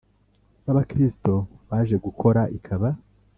b abakristo baje gukora ikaba